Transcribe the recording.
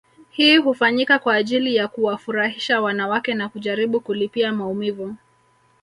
Hii hufanyika kwa ajili ya kuwafurahisha wanawake na kujaribu kulipia maumivu